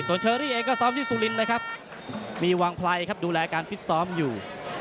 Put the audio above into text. เชอรี่เองก็ซ้อมที่สุรินทร์นะครับมีวางไพรครับดูแลการฟิตซ้อมอยู่